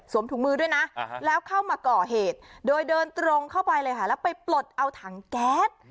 ถุงมือด้วยนะแล้วเข้ามาก่อเหตุโดยเดินตรงเข้าไปเลยค่ะแล้วไปปลดเอาถังแก๊ส